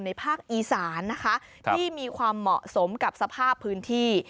ภาคอีสานนะคะที่มีความเหมาะสมกับสภาพพื้นที่